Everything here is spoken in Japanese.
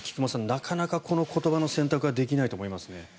なかなかこの言葉の選択はできないと思いますね。